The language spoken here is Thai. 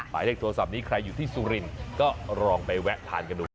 หมายเลขโทรศัพท์นี้ใครอยู่ที่สุรินทร์ก็ลองไปแวะทานกันดู